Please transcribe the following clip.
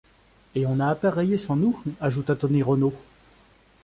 Et on a appareillé sans nous?... ajouta Tony Renault.